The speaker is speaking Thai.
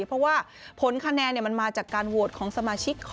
เพราะว่าผลคะแนนมันมาจากการโหวตของสมาชิก